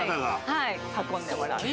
はい運んでもらう。